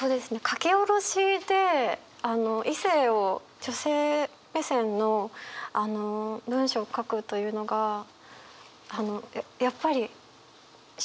書き下ろしで異性を女性目線の文章を書くというのがって。